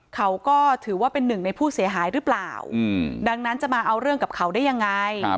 เขาก็ถือว่าเป็นหนึ่งในผู้เสียหายหรือเปล่าดังนั้นจะมาเอาเรื่องกับเขาได้ยังไง